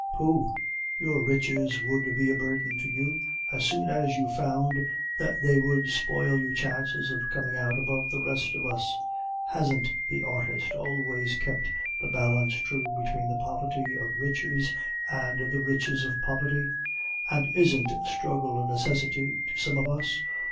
"Pooh! your riches would be a burden to you as soon as you found that they would spoil your chances of coming out above the rest of us. Hasn't the artist always kept the balance true between the poverty of riches and the riches of poverty? And isn't struggle a necessity to some of us?